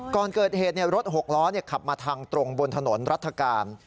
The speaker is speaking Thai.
ก่อนเกิดเหตุรถหกล้อขับมาทางตรงบนถนนรัฐกาล